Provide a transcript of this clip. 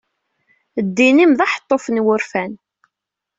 Ddin-im d aḥeṭṭuf n wurfan.